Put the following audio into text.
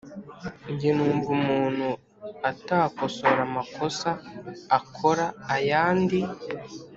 Nge numva umuntu atakosora amakosa akora ayandi.